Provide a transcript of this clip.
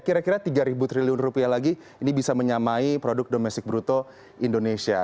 kira kira tiga triliun rupiah lagi ini bisa menyamai produk domestik bruto indonesia